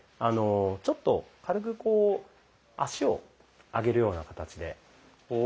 あのちょっと軽くこう足を上げるような形で。